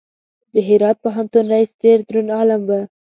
د هرات پوهنتون رئیس ډېر دروند عالم و.